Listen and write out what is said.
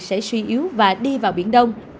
sẽ suy yếu và đi vào biển đông